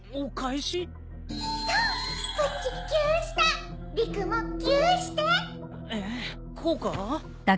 えっこうか？